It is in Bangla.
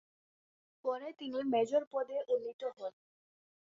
পরে তিনি মেজর পদে উন্নীত হন।